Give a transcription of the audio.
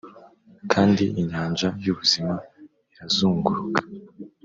kandi inyanja y'ubuzima irazunguruka -